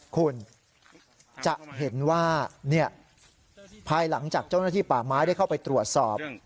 คุณจะเห็นว่าภายหลังจากเจ้าหน้าที่ป่าไม้ได้เข้าไปตรวจสอบ